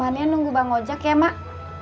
nunggu bapak ojak ya mak